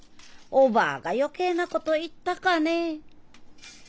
おばぁが余計なことを言ったかねぇ。